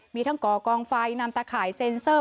มีทั้งก่อกองไฟนำตะข่ายเซ็นเซอร์